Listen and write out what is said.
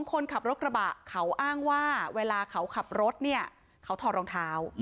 คนขับรถกระบะเขาอ้างว่าเวลาเขาขับรถเนี่ยเขาถอดรองเท้า